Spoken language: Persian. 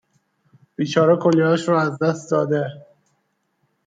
بیچاره کلیه هاش رو از دست داده